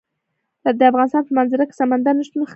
د افغانستان په منظره کې سمندر نه شتون ښکاره ده.